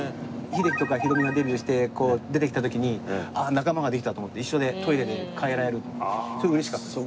秀樹とかひろみがデビューして出てきた時にああ仲間ができたと思って一緒でトイレで替えられると思ってすごい嬉しかったですよ。